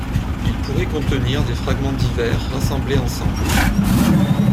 Il pourrait contenir des fragments divers rassemblés ensemble.